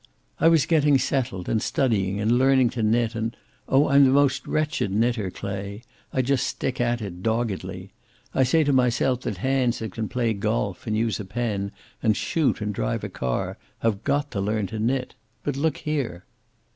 "I was getting settled, and studying, and learning to knit, and oh, I'm the most wretched knitter, Clay! I just stick at it doggedly. I say to myself that hands that can play golf, and use a pen, and shoot, and drive a car, have got to learn to knit. But look here!"